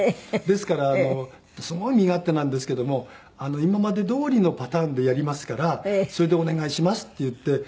ですからすごい身勝手なんですけども「今までどおりのパターンでやりますからそれでお願いします」って言って。